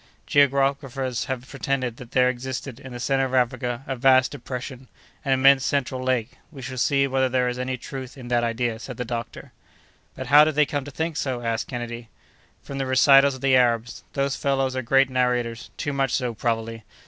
Geographers have pretended that there existed, in the centre of Africa, a vast depression, an immense central lake. We shall see whether there is any truth in that idea," said the doctor. "But how did they come to think so?" asked Kennedy. "From the recitals of the Arabs. Those fellows are great narrators—too much so, probably.